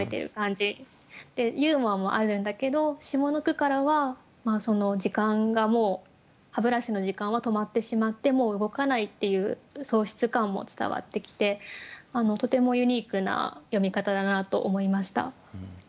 ユーモアもあるんだけど下の句からは時間がもう歯ブラシの時間は止まってしまってもう動かないっていう喪失感も伝わってきてとてもユニークな詠み方だなと思いました。